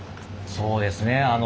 そうですね。